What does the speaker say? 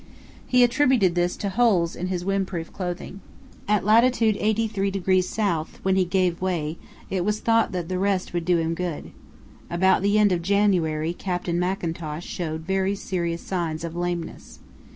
He attributed this to holes in his windproof clothing. At lat. 83° S., when he gave way, it was thought that the rest would do him good. About the end of January Captain Mackintosh showed very serious signs of lameness.